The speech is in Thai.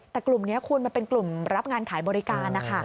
แต่กลุ่มนี้คุณมันเป็นกลุ่มรับงานขายบริการนะคะ